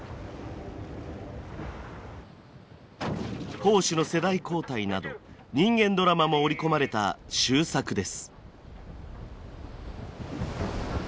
砲手の世代交代など人間ドラマも織り込まれた秀作です。